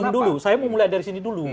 dulu saya mau mulai dari sini dulu